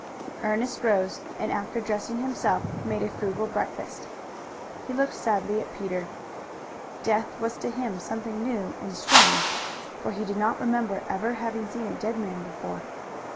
Ernest rose, and after dressing himself made a frugal breakfast. He looked sadly at Peter. Death was to him something new and strange, for he did not remember ever having seen a dead man before.